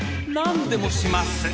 ［何でもします。